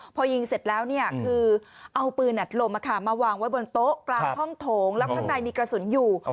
พอยิงเสร็จแล้วคือเอาปืนอัดลมมาวางไว้บนโต๊ะกลางห้องโถงแล้วข้างในมีกระสุนอยู่